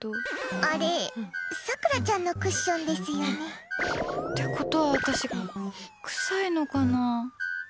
あれさくらちゃんのクッションですよね。ってことは私、臭いのかな？